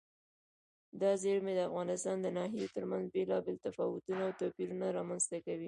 دا زیرمې د افغانستان د ناحیو ترمنځ بېلابېل تفاوتونه او توپیرونه رامنځ ته کوي.